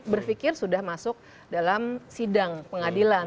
berpikir sudah masuk dalam sidang pengadilan